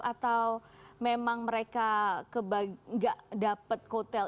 atau memang mereka nggak dapat kotel